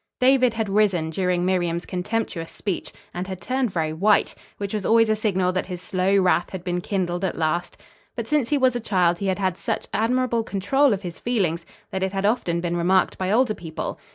David had risen during Miriam's contemptuous speech, and had turned very white; which was always a signal that his slow wrath had been kindled at last; but since he was a child he had had such admirable control of his feelings that it had often been remarked by older people.